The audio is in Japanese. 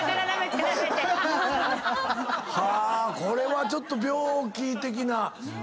これはちょっと病気的な。